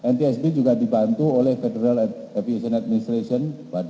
ntsb juga dibantu oleh federal aviation administration